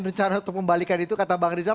rencana untuk membalikan itu kata bang rizal